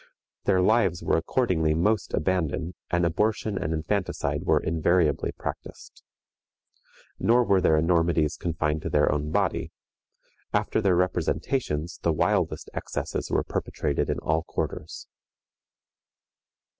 Their lives were accordingly most abandoned, and abortion and infanticide were invariably practiced. Nor were their enormities confined to their own body: after their representations the wildest excesses were perpetrated in all quarters.